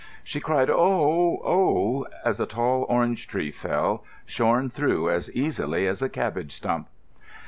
She cried "O—oh!" as a tall orange tree fell, shorn through as easily as a cabbage stump.